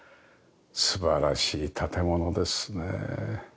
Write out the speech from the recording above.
素晴らしい建物ですね。